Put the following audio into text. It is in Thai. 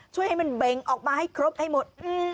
ช่วยให้มันเบงออกมาให้ครบให้หมด